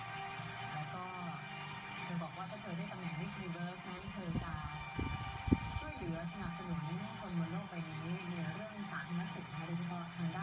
ในเรื่องศาลนักศึกษาในด้านความความสำคัญของคุณค่ะ